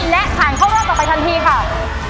และผ่านเข้ารอบต่อไปทันทีค่ะ